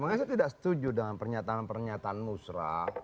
makanya saya tidak setuju dengan pernyataan pernyataan musrah